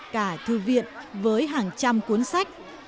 cả thư viện với hàng trăm cuốn sách